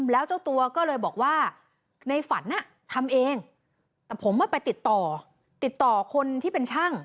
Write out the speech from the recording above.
แล้วเจ้าตัวก็เลยบอกว่าในฝันทำเองแต่ผมว่าไปติดต่อติดต่อคนที่เป็นช่าง